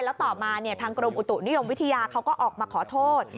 แล้วต่อมาทางกรมอุตุนิยมวิทยาเขาก็ออกมาขอโทษ